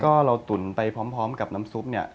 ก็เราตุ๋นไปพร้อมกับน้ำซุปเนี่ย